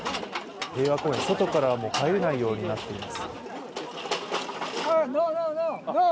平和公園、もう外からは入れないようになっています。